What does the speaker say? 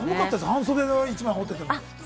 半袖で１枚羽織ってても。